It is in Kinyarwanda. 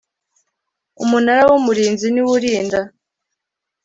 umunara w’ umurinzi niwe uwurinda.